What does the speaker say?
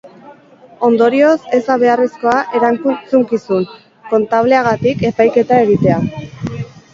Ondorioz, ez da beharrezkoa erantzukizun kontableagatik epaiketa egitea.